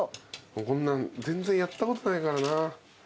こんなん全然やったことないからな。